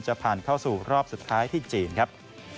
จะผ่านเข้าสู่รอบสุดท้ายที่จีนครับ